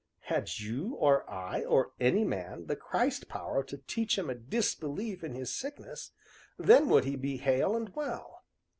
"Had you, or I, or any man, the Christ power to teach him a disbelief in his sickness, then would he be hale and well.